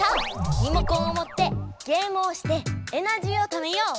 リモコンを持ってゲームをしてエナジーをためよう！